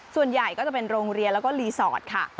ส่วนใหญ่ก็จะเป็นโรงเรียนแล้วก็รีสอร์ทค่ะ